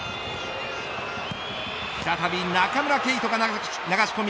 再び中村敬斗が流し込み